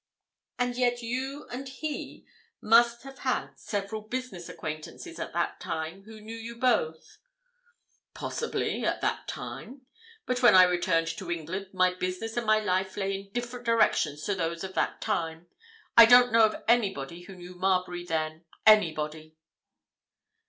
"And yet you and he must have had several business acquaintances at that time who knew you both!" "Possibly—at that time. But when I returned to England my business and my life lay in different directions to those of that time. I don't know of anybody who knew Marbury then—anybody."